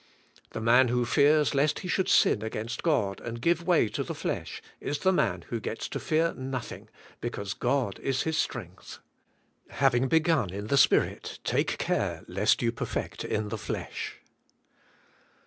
The man who fears lest he should sin against God and give way to the flesh is the man who gets to fear nothing because God is his strength. Haying be gun in the Spirit take care lest you perfect in the flesh.